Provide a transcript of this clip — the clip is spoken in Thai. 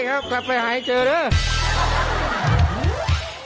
โอเคครับกลับไปหายเจอแล้ว